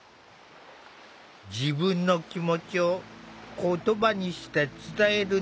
自分の気持ちを言葉にして伝えるのが苦手だという。